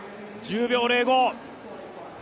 １０秒０５。